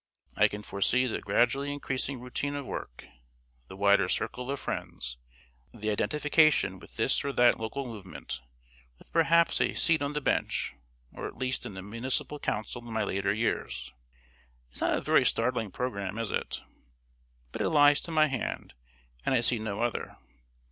I can foresee the gradually increasing routine of work, the wider circle of friends, the indentification with this or that local movement, with perhaps a seat on the Bench, or at least in the Municipal Council in my later years. It's not a very startling programme, is it? But it lies to my hand, and I see no other.